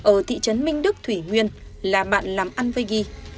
ở thị trấn minh đức thủy nguyên là bạn làm ăn với ghi